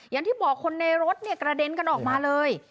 อย่างที่บอกคนในรถเนี่ยกระเด็นกันออกมาเลย